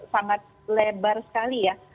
sangat lebar sekali ya